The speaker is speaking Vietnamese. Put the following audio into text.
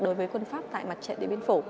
đối với quân pháp tại mặt trận điện biên phủ